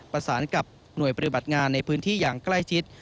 ประสานกับหน่วยปฏิบัติงานในพื้นที่อย่างใกล้ชิด